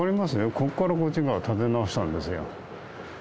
ここからこっちが建て直したんですよ。